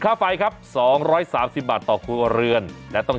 ใช้เมียได้ตลอด